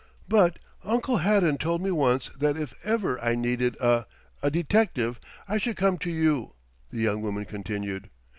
"But Uncle Haddon told me once that if ever I needed a a detective I should come to you," the young woman continued.